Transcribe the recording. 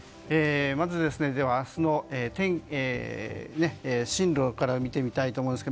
まず、明日の進路から見てみたいと思います。